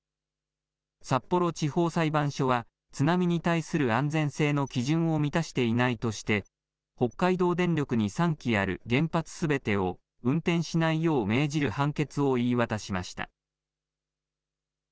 札幌地方裁判所は、津波に対する安全性の基準を満たしていないとして、北海道電力に３基ある原発すべてを運転しないよう命じる判決を言い渡しました。